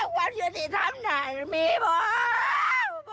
ว่าอยู่ที่ทำน่ะมีบอก